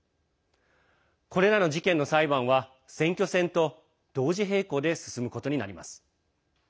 これらの事件の裁判は選挙戦と同時並行で進むことになります。